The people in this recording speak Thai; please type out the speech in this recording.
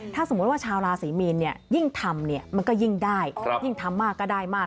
ถ้าสมมุติว่าชาวราศรีมีนยิ่งทำมันก็ยิ่งได้ยิ่งทำมากก็ได้มาก